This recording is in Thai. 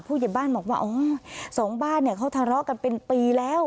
ผู้ใหญ่บ้านบอกว่าสองบ้านเขาทะเลาะกันเป็นปีแล้ว